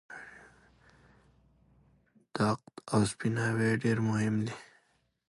دقت او سپیناوی ډېر مهم دي.